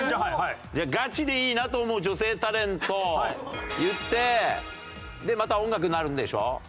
じゃあ「ガチでいいなぁと思う女性タレント」言ってでまた音楽鳴るんでしょ？